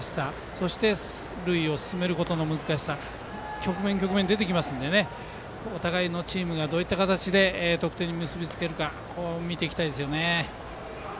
そして塁を進めることの難しさが局面、局面に出てきますのでお互いのチームがどのように得点に結び付けるかを見ていきたいですね。